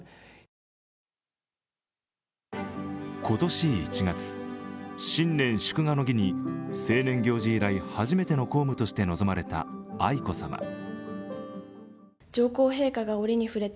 今年１月、新年祝賀の儀に成年行事以来初めての公務として臨まれた愛子さま。